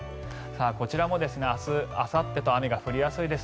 こちらも明日あさってと雨が降りやすいです。